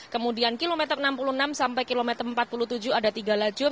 kemudian kilometer enam puluh enam sampai kilometer empat puluh tujuh ada tiga lajur